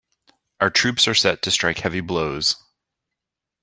Our troops are set to strike heavy blows.